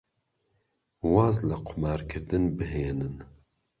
واز لە قومارکردن بهێنن.